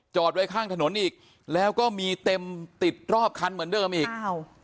ไว้ข้างถนนอีกแล้วก็มีเต็มติดรอบคันเหมือนเดิมอีกอ้าว